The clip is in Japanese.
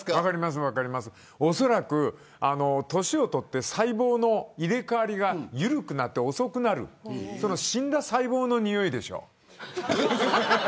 おそらく年をとって細胞の入れ替わりが緩くなって遅くなるその死んだ細胞のにおいでしょう。